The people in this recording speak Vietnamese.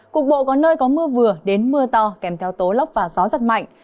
cục bộ có nơi có mưa vừa đến mưa to kèm theo tố lốc và gió giật mạnh